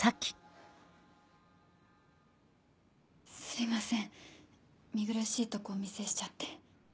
すいません見苦しいとこお見せしちゃって。